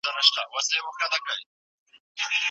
واعظان بايد د کورني نظام حقونه بيان کړي.